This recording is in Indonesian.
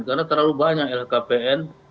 karena terlalu banyak lha kpn